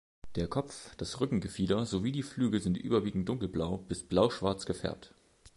Der Kopf, das Rückengefieder sowie die Flügel sind überwiegend dunkelblau bis blauschwarz gefärbt.